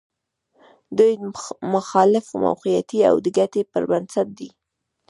د دوی مخالفت موقعتي او د ګټې پر بنسټ دی.